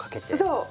そう！